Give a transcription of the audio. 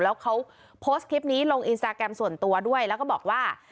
แล้วเขาโพสต์คลิปนี้ลงอินสตาแกรมส่วนตัวด้วยแล้วก็บอกว่า